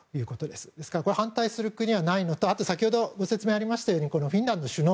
ですから反対する国がないのと先ほどご説明があったようにフィンランドの首脳